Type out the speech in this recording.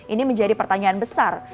ini menjadi pertanyaan besar